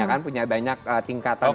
ya kan punya banyak tingkatan